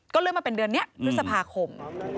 เลื่อนมาเป็นเดือนนี้พฤษภาคม